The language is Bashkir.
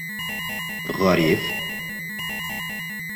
Ғариф: